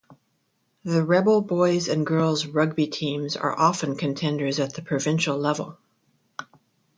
The Rebels Boys' and Girls' rugby teams are often contenders at the provincial level.